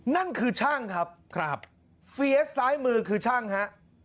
นั่นคือช่างครับเฟียสซ้ายมือคือช่างฮะ